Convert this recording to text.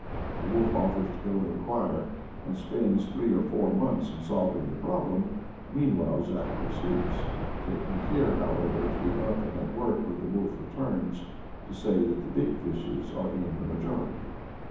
The wolf offers to go and enquire, and spends three or four months in solving the problem. Meanwhile Zachary sleeps, taking care, however, to be up and at work when the wolf returns to say that the big fishes are in the majority.